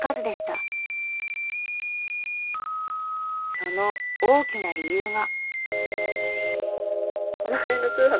その大きな理由が。